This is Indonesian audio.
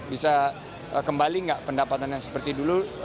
bisa kembali nggak pendapatannya seperti dulu